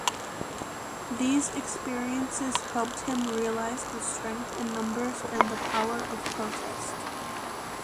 These experiences helped him realise the strength in numbers and the power of protest.